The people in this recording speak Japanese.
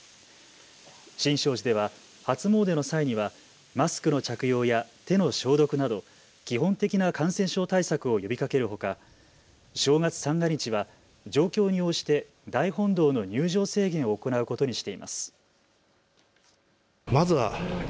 新勝寺では初詣の際にはマスクの着用や手の消毒など基本的な感染症対策を呼びかけるほか正月三が日は状況に応じて大本堂の入場制限を行うことにしています。